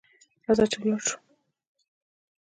راځه چي ولاړ سو .